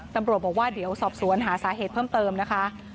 ตำรวจบอกว่าเดี๋ยวสอบสวนหาสาเหตุเพิ่มเติมนะคะ